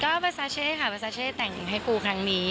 ก็ภาษาเช่ค่ะภาษาเช่แต่งให้ปูครั้งนี้